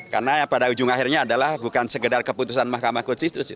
karena pada ujung akhirnya adalah bukan segedar keputusan mahkamah konstitusi